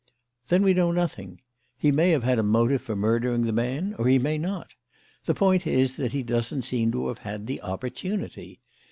"Then we know nothing. He may have had a motive for murdering the man or he may not. The point is that he doesn't seem to have had the opportunity.